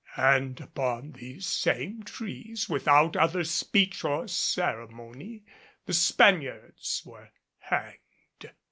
And upon these same trees without other speech or ceremony, the Spaniards were hanged.